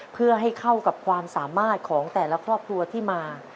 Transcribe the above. เพื่อให้เข้ากับความสามารถของแต่ละครอบครัวที่มา